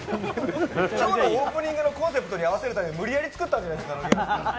今日のオープニングのコンセプトに合わせるために無理やり作ったんじゃないですか。